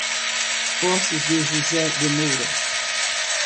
Poço de José de Moura